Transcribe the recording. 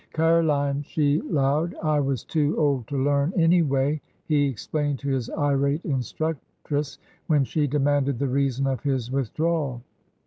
Ca'line she 'lowed I was too old to learn, anyway," he explained to his irate instructress when she demanded the reason of his withdrawal.